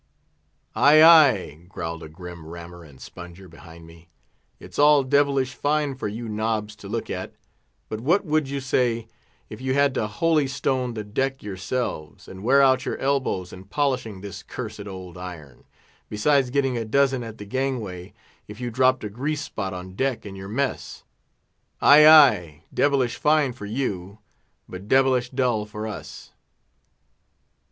"Ay, ay," growled a grim rammer and sponger behind me; "it's all devilish fine for you nobs to look at; but what would you say if you had to holy stone the deck yourselves, and wear out your elbows in polishing this cursed old iron, besides getting a dozen at the gangway, if you dropped a grease spot on deck in your mess? Ay, ay, devilish fine for you, but devilish dull for us!"